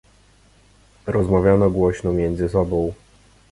"Rozmawiano głośno między sobą."